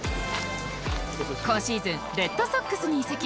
今シーズンレッドソックスに移籍